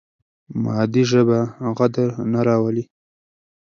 مادي ژبه غدر نه راولي.